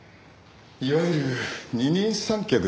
いわゆる二人三脚ですね。